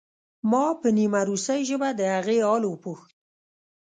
ما په نیمه روسۍ ژبه د هغې حال وپوښت